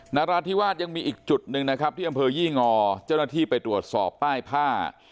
นาราธิวาสยังมีอีกจุดหนึ่งนะครับที่อำเภอยี่งอเจ้าหน้าที่ไปตรวจสอบป้ายผ้า